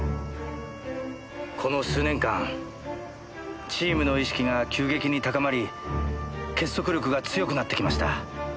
この数年間チームの意識が急激に高まり結束力が強くなってきました。